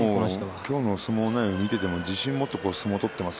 今日の相撲内容を見ても自信を持って相撲を取っています。